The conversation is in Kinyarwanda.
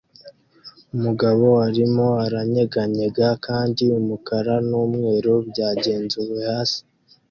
Umugabo arimo aranyeganyega kandi umukara n'umweru byagenzuwe hasi